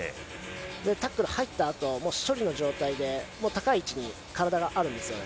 タックル入ったあとは、もう処理の状態で、高い位置に体があるんですよね。